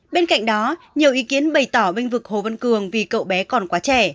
bên cạnh đó nhiều ý kiến bày tỏ vinh vực hồ văn cường vì cậu bé còn quá trẻ